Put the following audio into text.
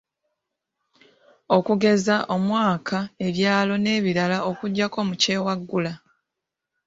Okugeza; omwaka, ebyalo n’ebirala okuggyako mu kyewaggula.